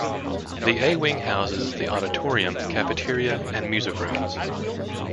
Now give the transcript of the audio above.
The A-wing houses the auditorium, cafeteria and music rooms.